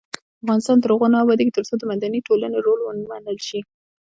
افغانستان تر هغو نه ابادیږي، ترڅو د مدني ټولنې رول ومنل نشي.